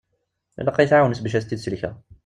Ilaq ad yi-tɛawnemt bac ad tent-id-sellkeɣ.